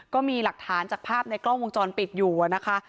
ก็มีหลักฐานจากภาพในกล้องวงจรปิดอยู่นะคะ